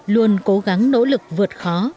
luôn cố gắng nỗ lực vượt khó